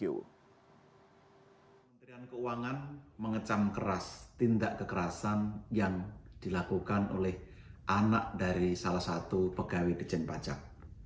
kementerian keuangan mengecam keras tindak kekerasan yang dilakukan oleh anak dari salah satu pegawai dijen pajak